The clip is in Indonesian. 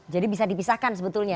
jadi bisa dipisahkan sebetulnya